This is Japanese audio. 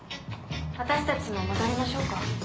私たちも戻りましょうか。